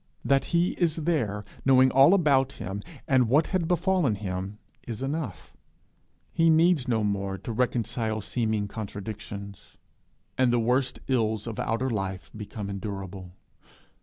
That he is there, knowing all about him, and what had befallen him, is enough; he needs no more to reconcile seeming contradictions, and the worst ills of outer life become endurable.